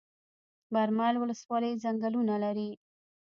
برمل ولسوالۍ ځنګلونه لري؟